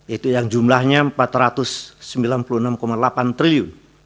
itu yang jumlahnya empat ratus sembilan puluh enam delapan triliun